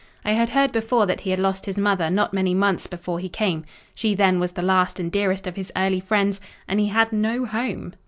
I had heard before that he had lost his mother not many months before he came. She then was the last and dearest of his early friends; and he had no home.